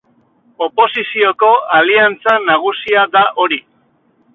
Oposizioko aliantza nagusia da hori.